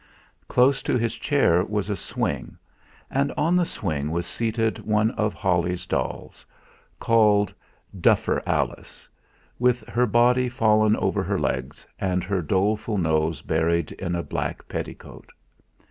Close to his chair was a swing, and on the swing was seated one of Holly's dolls called 'Duffer Alice' with her body fallen over her legs and her doleful nose buried in a black petticoat.